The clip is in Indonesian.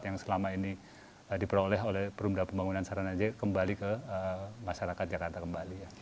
yang selama ini diperoleh oleh perumda pembangunan saranajaya kembali ke masyarakat jakarta kembali